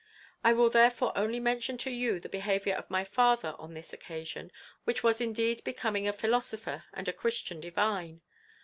I will therefore only mention to you the behaviour of my father on this occasion, which was indeed becoming a philosopher and a Christian divine.